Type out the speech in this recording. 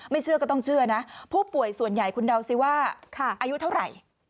เชื่อก็ต้องเชื่อนะผู้ป่วยส่วนใหญ่คุณเดาสิว่าอายุเท่าไหร่